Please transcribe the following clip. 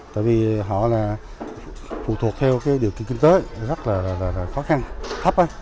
tại vì họ là phụ thuộc theo điều kiện kinh tế rất là khó khăn thấp